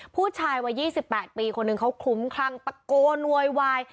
ผู้ชายวัย๒๘ปีคนหนึ่งเขาคลุ้มคลั่งตะโกนโวยวาย